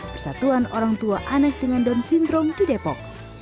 persatuan orang tua anak dengan down syndrome di depok